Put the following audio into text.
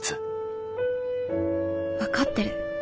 分かってる。